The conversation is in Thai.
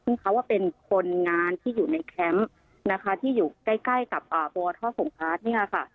ซึ่งเขาว่าเป็นคนงานที่อยู่ในแคมป์นะคะที่อยู่ใกล้ใกล้กับบ่อท่อส่งพาร์ทเนี่ยค่ะ